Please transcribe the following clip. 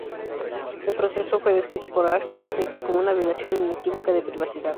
El proceso fue descrito por Ars Technica como una violación inequívoca de privacidad.